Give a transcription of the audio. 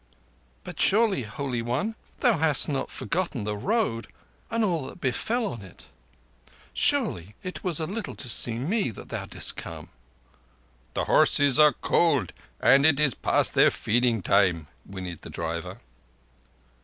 "But surely, Holy One, thou hast not forgotten the Road and all that befell on it. Surely it was a little to see me that thou didst come?" "The horses are cold, and it is past their feeding time," whined the driver.